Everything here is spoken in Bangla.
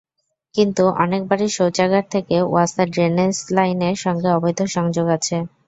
কিন্তু অনেক বাড়ির শৌচাগার থেকে ওয়াসার ড্রেনেজ লাইনের সঙ্গে অবৈধ সংযোগ আছে।